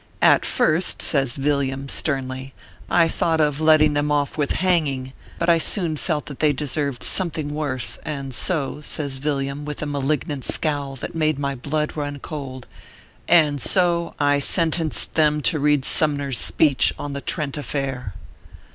" At first," says Villiam, sternly, " I thought of letting them off with hanging, but I soon felt that they deserved something worse, and so " says Villiam, with a malignant scowl that made my blood run cold " and so, I sen tenced them to read Sumner s speech on the Trent affair."